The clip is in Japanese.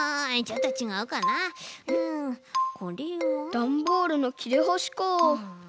ダンボールのきれはしか。